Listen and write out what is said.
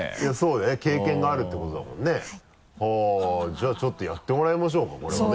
じゃあちょっとやってもらいましょうかこれはね